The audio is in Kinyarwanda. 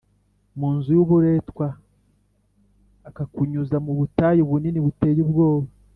mu nzu y’uburetwa, akakunyuza mu butayu bunini buteye ubwoba,